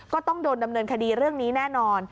ก็ต้องโดนดำเนินคดีเรื่องนี้แน่นอน